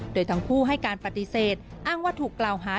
โดยทั้งคู่ให้การปฏิเสธอ้างว่าถูกกล่าวหา